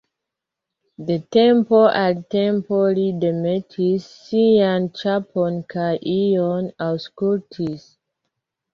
De tempo al tempo li demetis sian ĉapon kaj ion aŭskultis.